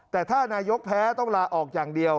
แต่ถ้านายกแพ้ต้องลาออกอย่างเดียว